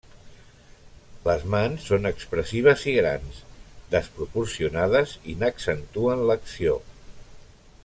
Les mans són expressives i grans, desproporcionades i n'accentuen l'acció.